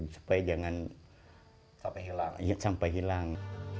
supaya jangan sampai hilang